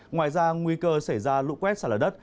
ngoài ra nguy cơ xảy ra lũ quét xả lở đất